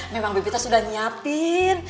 memang bibitnya sudah nyiapin